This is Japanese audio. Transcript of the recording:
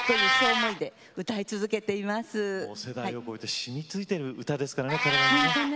世代を超えて染みついてる歌ですからね